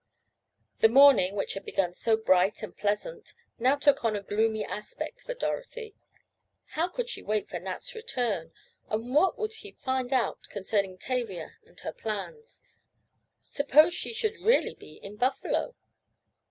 The morning which had begun so bright and pleasant now took on a gloomy aspect for Dorothy. How could she wait for Nat's return? And what would he find out concerning Tavia and her plans? Suppose she should really be in Buffalo?